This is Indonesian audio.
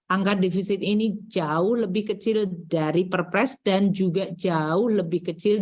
angka defisit ini jauh lebih kecil dari perpres dan juga jauh lebih kecil